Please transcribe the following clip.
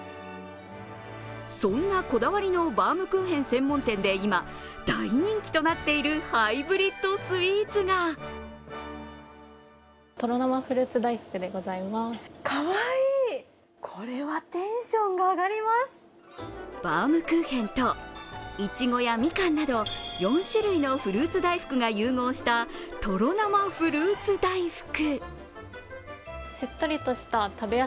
そんなこだわりのバウムクーヘン専門店で今、大人気となっているハイブリッドスイーツがバウムクーヘンといちごや、みかんなど４種類のフルーツ大福が融合したとろなまフルーツ大福。